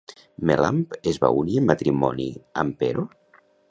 Melamp es va unir en matrimoni amb Pero?